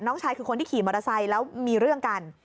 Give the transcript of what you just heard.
ชายคือคนที่ขี่มอเตอร์ไซค์แล้วมีเรื่องกัน